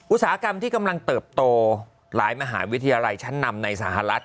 อุตสาหกรรมที่กำลังเติบโตหลายมหาวิทยาลัยชั้นนำในสหรัฐ